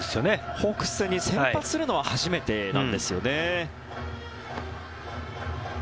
ホークス戦に先発するのは初めてなんですよね。